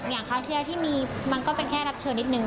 คราวที่แล้วที่มีมันก็เป็นแค่รับเชิญนิดนึง